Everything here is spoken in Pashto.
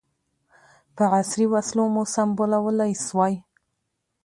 په عصري وسلو مو سمبالولای سوای.